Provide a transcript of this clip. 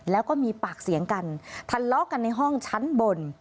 แล้วก็มีปากเสียงกันทะเลาะกันในห้องชั้นบน